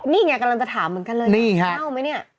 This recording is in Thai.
นี่ไงกำลังจะถามเหมือนกันเลยนี่ฮะเน่าไหมเนี่ย